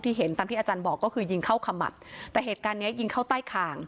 เห็นตามที่อาจารย์บอกก็คือยิงเข้าขมับแต่เหตุการณ์เนี้ยยิงเข้าใต้คาง